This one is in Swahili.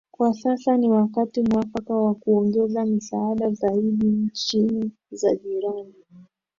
kwa sasa ni wakati muafaka wa kuongeza misaada zaidi nchini za jirani